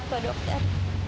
saya kuat pak dokter